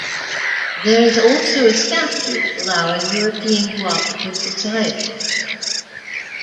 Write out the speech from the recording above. There is also a statute allowing European Cooperative Societies.